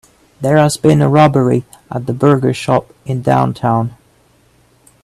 There has been a robbery at the burger shop in downtown.